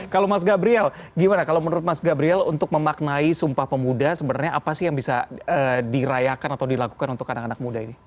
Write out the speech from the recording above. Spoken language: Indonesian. kalau mas gabriel gimana kalau menurut mas gabriel untuk memaknai sumpah pemuda sebenarnya apa sih yang bisa dirayakan atau dilakukan untuk anak anak muda ini